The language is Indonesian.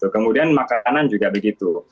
kemudian makanan juga begitu